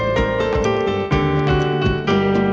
สวัสดีครับ